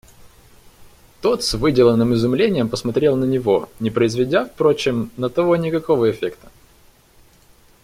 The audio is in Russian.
Тот с выделанным изумлением посмотрел на него, не произведя, впрочем, на того никакого эффекта.